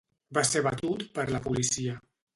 Va ser abatut per la policia.